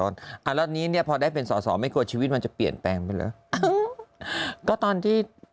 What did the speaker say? กลับมาดีกันอีกแล้วเหรอตอนนี้